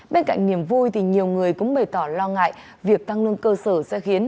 bên cạnh niềm vui nhiều người cũng bày tỏ lo ngại việc tăng lương cơ sở sẽ khiến